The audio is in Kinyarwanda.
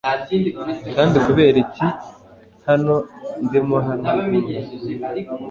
Kandi kubera iki Hano ndimohanagura